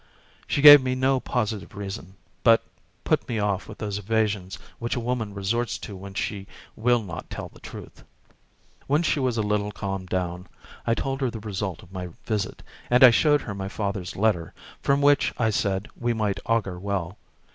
She gave me no positive reason, but put me off with those evasions which a woman resorts to when she will not tell the truth. When she was a little calmed down, I told her the result of my visit, and I showed her my father's letter, from which, I said, we might augur well.